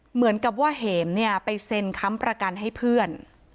เหมือนกับว่าเหมเนี่ยไปเซ็นค้ำประกันให้เพื่อน